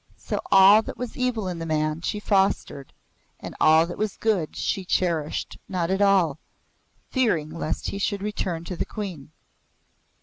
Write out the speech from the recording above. So all that was evil in the man she fostered and all that was good she cherished not at all, fearing lest he should return to the Queen.